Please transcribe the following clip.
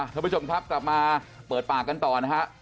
ทุกผู้ชมครับต่อมาเปิดปากกันต่อนะครับ